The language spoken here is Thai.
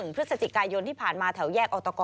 พฤศจิกายนที่ผ่านมาแถวแยกออตก